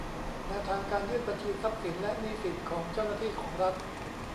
แนวทางการยื่นบัญชีทรัพย์สินและหนี้สินของเจ้าหน้าที่ของรัฐ